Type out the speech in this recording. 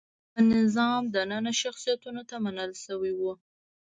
په نظام دننه شخصیتونو ته منل شوي وو.